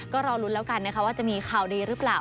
ก็รอลุ้นแล้วกันนะคะว่าจะมีข่าวดีหรือเปล่า